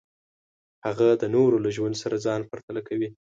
هغه د نورو له ژوند سره ځان پرتله کوي.